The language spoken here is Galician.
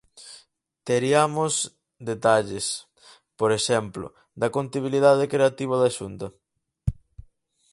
Teriamos detalles, por exemplo, da contabilidade creativa da Xunta?